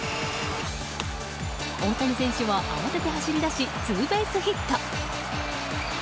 大谷選手は慌てて走り出しツーベースヒット。